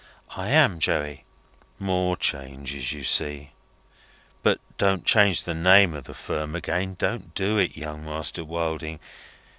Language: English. "I am, Joey." "More changes, you see! But don't change the name of the Firm again. Don't do it, Young Master Wilding.